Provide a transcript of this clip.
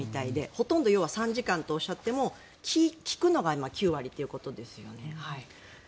ほとんど要は３時間とおっしゃっても聞くのが９割ということですね。